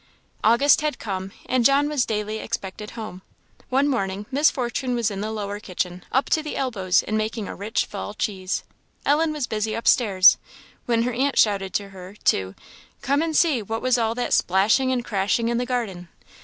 August had come, and John was daily expected home. One morning Miss Fortune was in the lower kitchen, up to the elbows in making a rich fall cheese; Ellen was busy upstairs, when her aunt shouted to her to "come and see what was all that splashing and crashing in the garden."